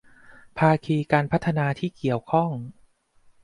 ภาคีการพัฒนาที่เกี่ยวข้อง